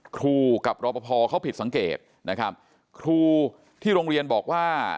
ครูกับรอปภเขาผิดสังเกตนะครับครูที่โรงเรียนบอกว่า